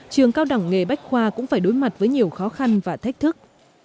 trường cao đẳng nghề bách khoa cũng phải đối mặt với nhiều khó khăn và thách thức